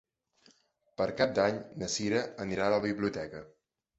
Per Cap d'Any na Cira anirà a la biblioteca.